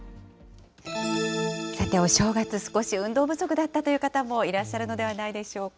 さて、お正月、少し運動不足だったという方もいらっしゃるのではないでしょうか。